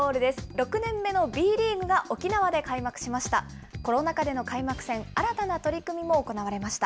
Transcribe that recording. ６年目のＢリーグが沖縄で開幕しました。